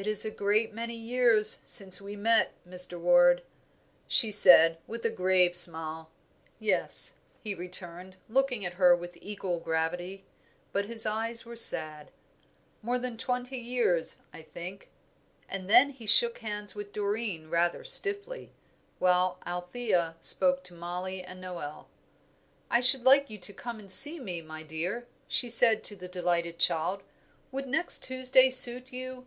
"It is a great many years since we met, Mr. Ward," she said, with a grave smile. "Yes," he returned, looking at her with equal gravity; but his eyes were sad. "More than twenty years, I think;" and then he shook hands with Doreen rather stiffly, while Althea spoke to Mollie and Noel. "I should like you to come and see me, my dear," she said to the delighted girl. "Would next Tuesday suit you?